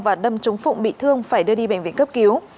và đâm trúng phụng bị thương phải đưa đi bệnh viện cấp cứu